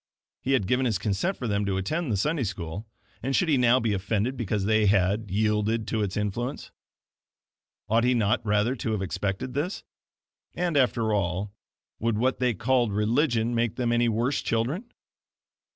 He had given his consent for them to attend the Sunday School, and should he now be offended because they had yielded to its influence? Ought he not rather to have expected this? And after all, would what they called religion make them any worse children?